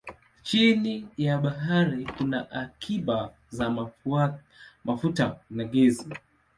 Chini ya bahari kuna akiba za mafuta na gesi.